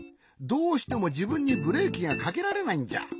どうしてもじぶんにブレーキがかけられないんじゃ。